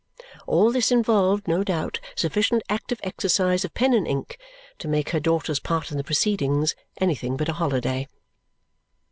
All this involved, no doubt, sufficient active exercise of pen and ink to make her daughter's part in the proceedings anything but a holiday.